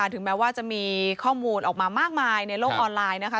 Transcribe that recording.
ถึงแม้ว่าจะมีข้อมูลออกมามากมายในโลกออนไลน์นะคะ